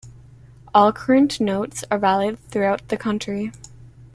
All current notes are valid throughout the country.